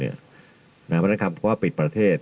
เพราะฉะนั้นคำว่าปิดประเทศ